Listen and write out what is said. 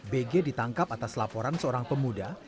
bg ditangkap atas laporan seorang pemuda